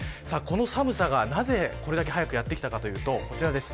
この寒さがなぜ、これだけ早くやってきたかというとこちらです。